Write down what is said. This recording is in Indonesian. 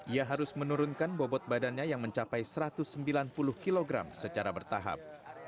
ia harus menurunkan bobot badannya yang mencapai satu ratus sembilan puluh kg secara bertahap